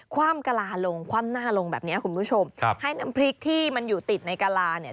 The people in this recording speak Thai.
ความกะลาลงคว่ำหน้าลงแบบเนี้ยคุณผู้ชมครับให้น้ำพริกที่มันอยู่ติดในกะลาเนี่ย